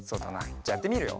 じゃあやってみるよ。